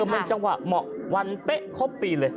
มันจังหวะเหมาะวันเป๊ะครบปีเลย